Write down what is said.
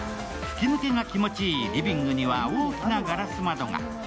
吹き抜けが気持ちいいリビングには大きなガラス窓が。